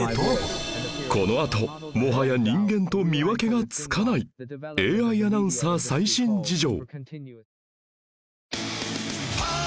このあともはや人間と見分けがつかない ＡＩ アナウンサー最新事情